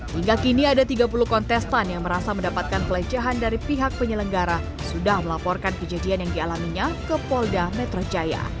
hingga kini ada tiga puluh kontestan yang merasa mendapatkan pelecehan dari pihak penyelenggara sudah melaporkan kejadian yang dialaminya ke polda metro jaya